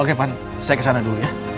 oke van saya kesana dulu ya